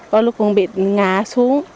có lúc cũng bị ngả xuống